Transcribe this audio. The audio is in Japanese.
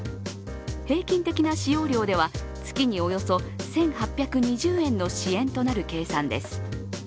平均的な使用料では月におよそ１８２０円の支援となる計算です。